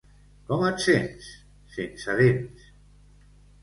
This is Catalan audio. —Com et sents? —Sense dents!